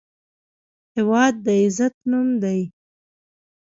هېواد د عزت نوم دی.